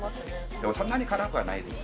でもそんなに辛くはないです